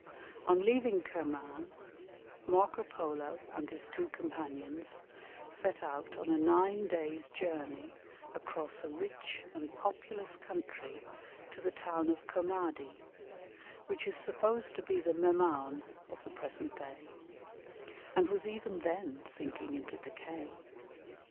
On leaving Kirman Marco Polo and his two companions set out on a nine days' journey across a rich and populous country to the town of Comadi, which is supposed to be the Memaun of the present day, and was even then sinking into decay.